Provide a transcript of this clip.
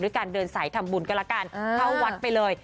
ด้วยการเดินสายทำบุญก็ละกันเท่าวันไปเลย